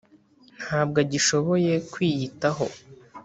ntabwo agishoboye kwiyitaho,